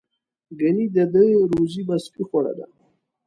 ګنې د ده روزي به سپي خوړله.